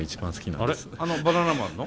あのバナナマンの？